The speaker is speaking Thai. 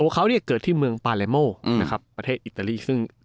ตัวเขาเกิดที่เมืองปาเลโมประเทศอิตาลี